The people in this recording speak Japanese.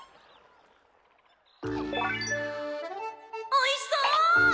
おいしそ！